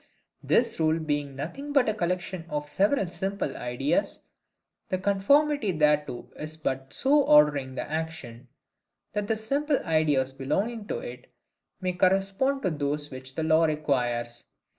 This rule being nothing but a collection of several simple ideas, the conformity thereto is but so ordering the action, that the simple ideas belonging to it may correspond to those which the law requires.